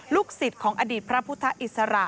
ลูกศิษย์ของอดีตพระพุทธอิสระ